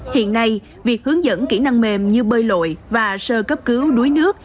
hiện nay việc hướng dẫn kỹ năng mềm như bơi lội và sơ cấp cứu đuối nước